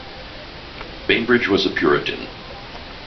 Bainbridge was a puritan.